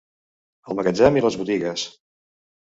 El magatzem i les botigues.